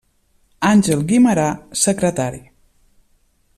Àngel Guimerà, secretari.